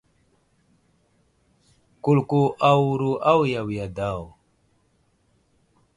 Kulko awuro awiya wiya daw.